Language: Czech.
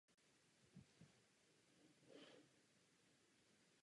Cílem tohoto ústavu byla podpora Vivaldiho hudby a práce na nové edici jeho děl.